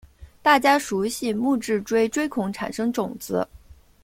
大家熟悉木质锥锥孔产生种子。